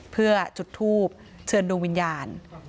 เพื่อจุดทูบเชิญดวงวิญญาณ